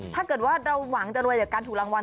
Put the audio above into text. ถ้าเกิดว่าเราหวังจะรวยจากการถูกรางวัล